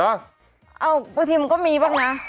บางทีมันก็มีบ้างนะ